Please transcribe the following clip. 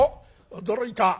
驚いた。